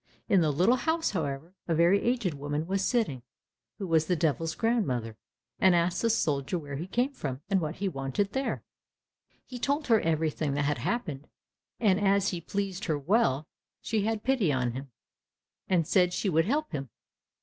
In the little house, however, a very aged woman was sitting, who was the Devil's grandmother, and asked the soldier where he came from, and what he wanted there? He told her everything that had happened, and as he pleased her well, she had pity on him, and said she would help him.